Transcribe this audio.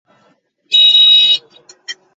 তার তিন ভাইবোন রয়েছে।